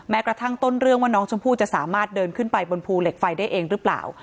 กระทั่งต้นเรื่องว่าน้องชมพู่จะสามารถเดินขึ้นไปบนภูเหล็กไฟได้เองหรือเปล่า